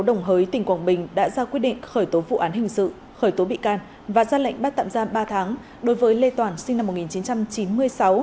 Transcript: đồng hới tỉnh quảng bình đã ra quyết định khởi tố vụ án hình sự khởi tố bị can và ra lệnh bắt tạm giam ba tháng đối với lê toàn sinh năm một nghìn chín trăm chín mươi sáu